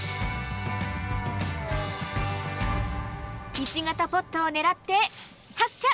１型ポットを狙って発射！